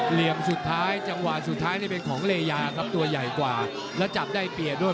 เหลี่ยมสุดท้ายจังหวะสุดท้ายนี่เป็นของเลยาครับตัวใหญ่กว่าแล้วจับได้เปลี่ยนด้วย